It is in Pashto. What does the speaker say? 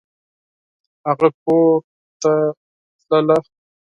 هغه کورته تلله !